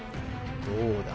どうだ？